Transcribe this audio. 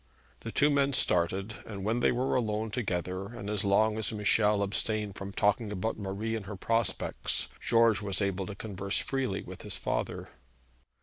The two men started, and when they were alone together, and as long as Michel abstained from talking about Marie and her prospects, George was able to converse freely with his father.